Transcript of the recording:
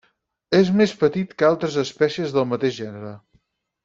És més petit que altres espècies del mateix gènere.